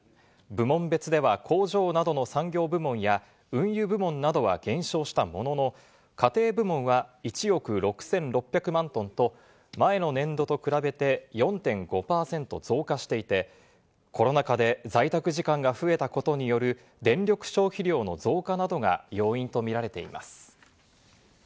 部門別では工場などの産業部門や運輸部門などは減少したものの、家庭部門は１億６６００万トンと前の年度と比べて４．５％増加していて、コロナ禍で在宅時間が増えたことによる電力消費量の増加などが要因とみられています。